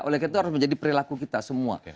oleh karena itu harus menjadi perilaku kita semua